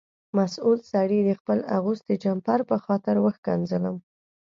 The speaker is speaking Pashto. مسؤل سړي د خپل اغوستي جمپر په خاطر وښکنځلم.